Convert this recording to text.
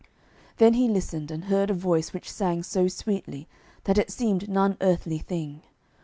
Then he listened, and heard a voice which sang so sweetly that it seemed none earthly thing.